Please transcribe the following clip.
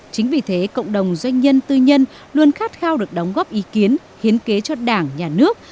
chính vì thế cộng đồng doanh nhân tư nhân luôn khát khao được đóng góp ý kiến hiến kế cho đảng nhà nước